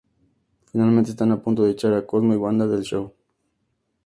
Finalmente, están a punto de echar a Cosmo y Wanda del show.